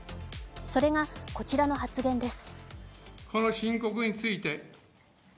それがこちらの発言です。